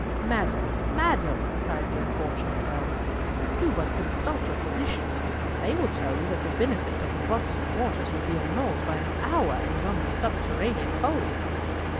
"Madam, madam," cried the unfortunate Earl, "do but consult your physicians. They will tell you that all the benefits of the Buxton waters will be annulled by an hour in yonder subterranean hole."